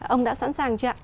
ông đã sẵn sàng chưa ạ